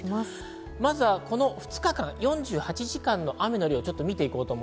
まずはこの２日間、４８時間の雨の量です。